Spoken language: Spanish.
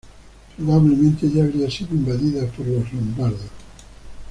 Probablemente ya habría sido invadida por los lombardos.